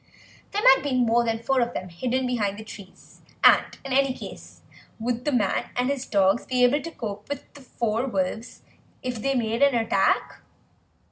There might be more than four of them hidden behind the trees, and in any case would the man and his dogs be able to cope with the four wolves if they made an attack?